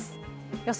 予想